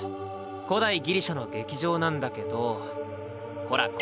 古代ギリシャの劇場なんだけどほらここ！